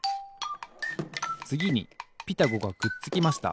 つぎに「ピタゴ」がくっつきました。